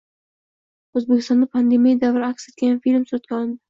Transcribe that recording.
Oʻzbekistonda pandemiya davri aks etgan film suratga olindi